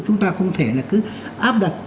chúng ta không thể là cứ áp đặt